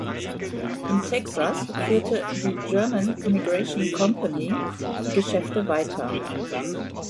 In Texas führte die ""German Emigration Company"" die Geschäfte weiter.